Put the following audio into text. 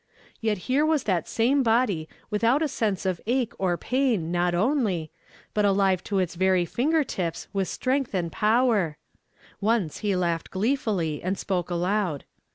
Yet here was that same body without a sense of ache or pain, not only, but alive to its very finger tips with strength and power I Once he laughed gleefully, and spoke aloud.